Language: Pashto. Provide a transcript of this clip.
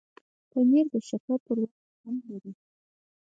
پنېر د شکر پر وخت خوند لري.